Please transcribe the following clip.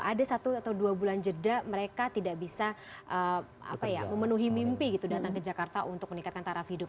ada satu atau dua bulan jeda mereka tidak bisa memenuhi mimpi gitu datang ke jakarta untuk meningkatkan taraf hidup